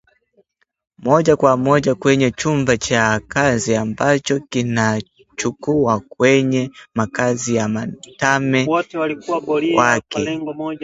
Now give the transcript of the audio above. moja kwa moja kwenye chumba cha 'kazi' ambacho kinakuwa kwenye makazi ya madame wake